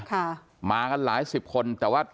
ค่ะมากันหลายสิบคนแต่ว่า